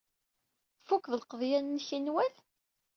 Tfuked lqeḍyan-nnek i Newwal?